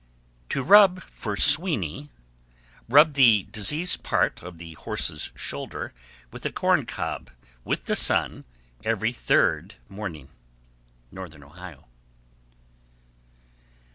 _ 1153. To rub for "sweeney." Rub the diseased part of the horse's shoulder with a corn cob with the sun every third morning. _Northern Ohio.